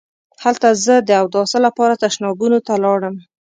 هلته زه د اوداسه لپاره تشنابونو ته لاړم.